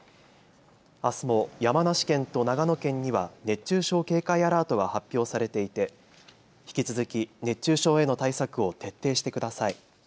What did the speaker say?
あすも山梨県と長野県には熱中症警戒アラートが発表されていて引き続き熱中症への対策を徹底してください。